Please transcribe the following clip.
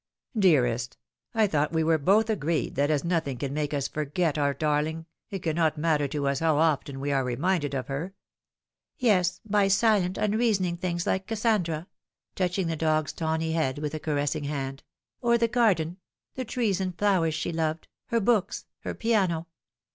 "Dearest, I thought we were both agreed that, as nothing can make us forget our darling, it cannot matter to us how often we are reminded of her," 78 The Fatal ThrM. " Yes, by silent, unreasoning things like Kassandra," touch ing the dog's tawny head with a caressing hand ;" or the garden the trees and flowers she loved her books her piano.